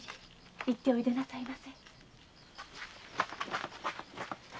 行っておいでなさいませ。